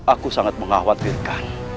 aku sangat mengkhawatirkan